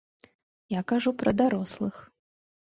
Я кажу пра дарослых.